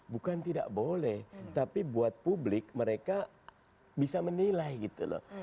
bukan tidak boleh tapi buat publik mereka bisa menilai gitu loh